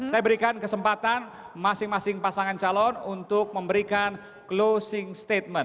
saya berikan kesempatan masing masing pasangan calon untuk memberikan closing statement